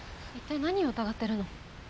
一体何を疑ってるの？